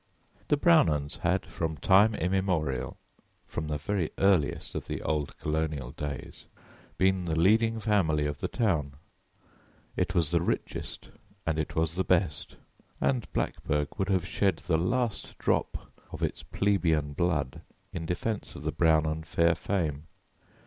The Brownons had from time immemorial from the very earliest of the old colonial days been the leading family of the town. It was the richest and it was the best, and Blackburg would have shed the last drop of its plebeian blood in defence of the Brownon fair fame.